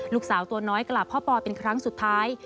ลูกสาวตัวน้อยกราบพ่อปอเป็นครั้งสุดท้าย